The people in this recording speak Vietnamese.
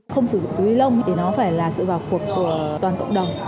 không sử dụng túi ni lông thì nó phải là sự vào cuộc của toàn cộng đồng